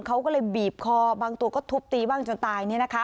เขาก็เลยบีบคอบางตัวก็ทุบตีบ้างจนตาย